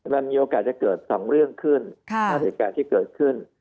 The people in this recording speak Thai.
มันมีโอกาสจะเกิด๒เรื่องขึ้นภาพเหตุการณ์ที่เกิดขึ้น